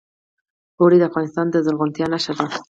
اوړي د افغانستان د زرغونتیا نښه ده.